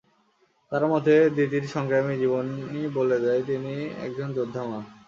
তাঁর মতে, দিতির সংগ্রামী জীবনই বলে দেয় তিনি একজন যোদ্ধা মা।